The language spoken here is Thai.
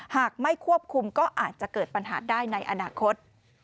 หากไม่ควบคุมก็อาจจะเกิดปัญหาได้ในอนาคต